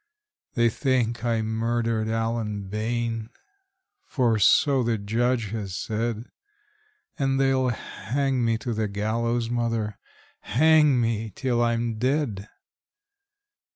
They think I murdered Allen Bayne; for so the Judge has said, And they'll hang me to the gallows, mother hang me till I'm dead!